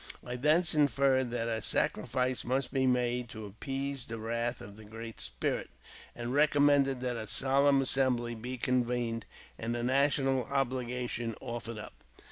I thence in ferred that a sacrifice must be made to appease the wrath of the Great Spirit, and recommended that a solemn assembly be ^ convened, and a national oblation offered up.'